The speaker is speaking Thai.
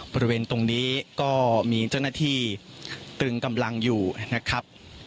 บริเวณตรงนี้ก็มีเจ้าหน้าที่ตึงกำลังอยู่นะครับ